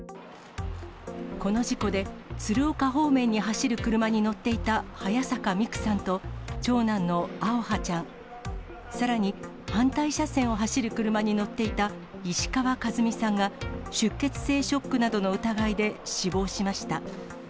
この事故で、鶴岡方面に走る車に乗っていた早坂未空さんと、長男のあおはちゃん、さらに反対車線を走る車に乗っていた石川和美さんが、出血性ショックなどの疑いで死亡しました。